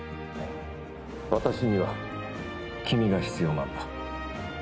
私には君が必要なんだ。